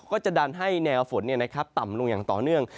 ก็จะดันให้แนวฝนต่ำลงอย่างต่อเนื่อง